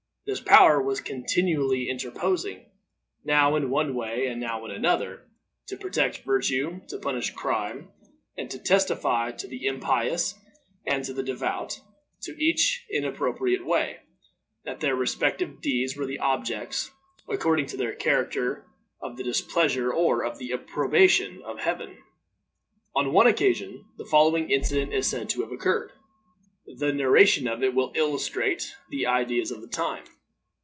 This power was continually interposing, now in one way and now in another, to protect virtue, to punish crime, and to testify to the impious and to the devout, to each in an appropriate way, that their respective deeds were the objects, according to their character, of the displeasure or of the approbation of Heaven. On one occasion, the following incident is said to have occurred. The narration of it will illustrate the ideas of the time.